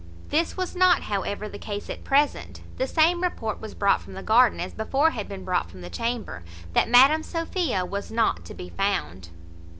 This was not however the case at present. The same report was brought from the garden as before had been brought from the chamber, that Madam Sophia was not to be found.